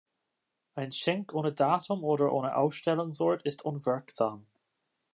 Ein Scheck ohne Datum oder ohne Ausstellungsort ist unwirksam.